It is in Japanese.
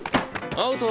アウト。